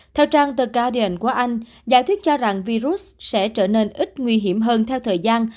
theo trang tờ caden của anh giả thuyết cho rằng virus sẽ trở nên ít nguy hiểm hơn theo thời gian